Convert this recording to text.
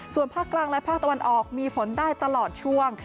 ส่วนภาคกลางและภาคตะวันออกมีฝนได้ตลอดช่วง